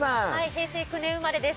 平成９年生まれです。